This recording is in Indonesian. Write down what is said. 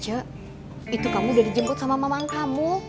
itu kamu udah dijemput sama mamang kamu